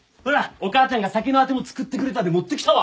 お母ちゃんが酒のあても作ってくれたで持ってきたわ！